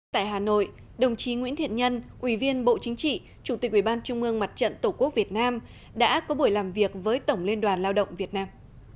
tại hà nội đồng chí nguyễn thiện nhân ủy viên bộ chính trị chủ tịch ubnd tổ quốc việt nam đã có buổi làm việc với tổng liên đoàn lao động việt nam